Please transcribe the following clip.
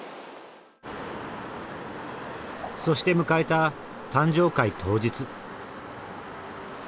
そして迎えた誕生会当日。